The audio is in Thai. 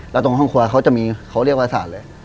แล้วตรงห้องครัวเขาจะมีเขาเรียกว่าศาสตร์เลย